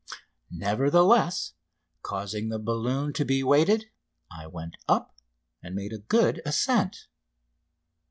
Nevertheless, causing the balloon to be weighed, I went up, and made a good ascent.